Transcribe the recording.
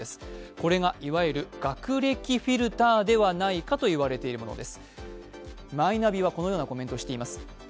これがいわゆる学歴フィルターではないかといわれているものです。